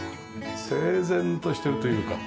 整然としてるというか。